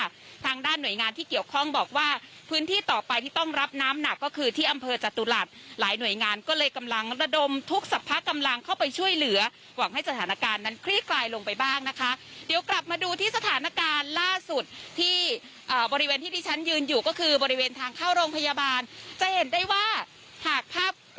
ทางด้านหน่วยงานที่เกี่ยวข้องบอกว่าพื้นที่ต่อไปที่ต้องรับน้ำหนักก็คือที่อำเภอจตุรัสหลายหน่วยงานก็เลยกำลังระดมทุกสรรพกำลังเข้าไปช่วยเหลือหวังให้สถานการณ์นั้นคลี่คลายลงไปบ้างนะคะเดี๋ยวกลับมาดูที่สถานการณ์ล่าสุดที่บริเวณที่ที่ฉันยืนอยู่ก็คือบริเวณทางเข้าโรงพยาบาลจะเห็นได้ว่าหากภาพ